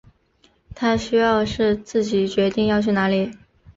他需要是自己决定要去哪里